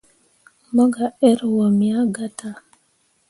Mu gah err wo, me ah gatah.